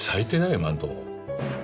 今んとこ。